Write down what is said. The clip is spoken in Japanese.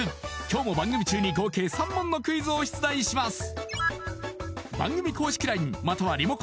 今日も番組中に合計３問のクイズを出題します